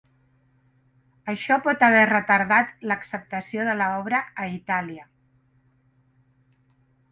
Això pot haver retardat l'acceptació de la obra a Itàlia.